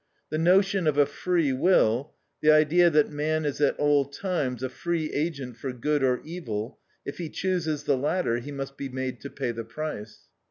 The notion of a free will, the idea that man is at all times a free agent for good or evil; if he chooses the latter, he must be made to pay the price.